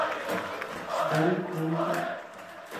دري کول تا